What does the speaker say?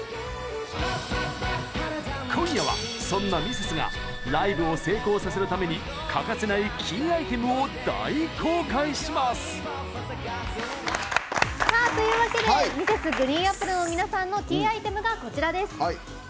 今夜は、そんなミセスがライブを成功させるために欠かせないキーアイテムを大公開します！というわけでＭｒｓ．ＧＲＥＥＮＡＰＰＬＥの皆さんのキーアイテムがこちらです。